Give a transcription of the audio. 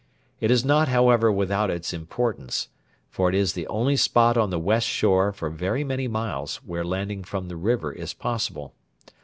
It is not, however, without its importance; for it is the only spot on the west shore for very many miles where landing from the river is possible.